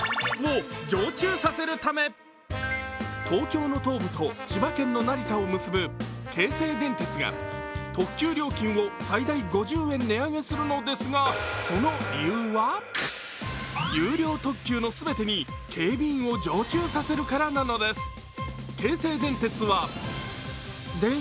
東京の東部と千葉県の成田を結ぶ京成電鉄が特急料金を最大５０円値上げするのですがその理由は有料特急の全てに警備員を常駐させるからなのです。